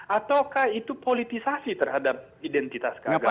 ataukah itu politisasi terhadap identitas keagamaan